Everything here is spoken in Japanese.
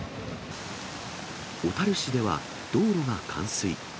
小樽市では、道路が冠水。